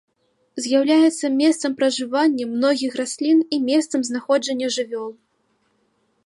З'яўляецца месцам пражывання многіх раслін і месцам знаходжання жывёл.